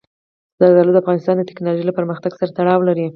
زردالو د افغانستان د تکنالوژۍ له پرمختګ سره تړاو لري.